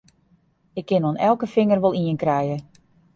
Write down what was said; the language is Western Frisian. Ik kin oan elke finger wol ien krije!